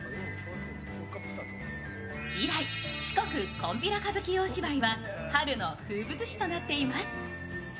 以来、「四国こんぴら歌舞伎大芝居」は春の風物詩となっています。